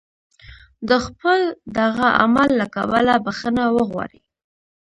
د خپل دغه عمل له کبله بخښنه وغواړي.